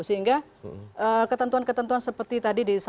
sehingga ketentuan ketentuan seperti tadi di satu ratus tiga